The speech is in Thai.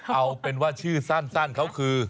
เอาเป็นว่าชื่อสั้นเขาคือ